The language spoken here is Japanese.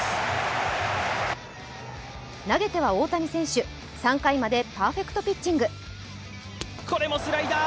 投げては大谷選手、３回までパーフェクトピッチング。